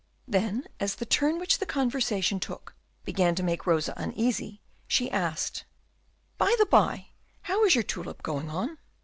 Then, as the turn which the conversation took began to make Rosa uneasy, she asked, "By the bye, how is your tulip going on?"